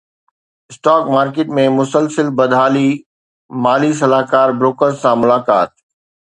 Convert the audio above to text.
stock market ۾ مسلسل بدحالي مالي صلاحڪار بروڪرز سان ملاقات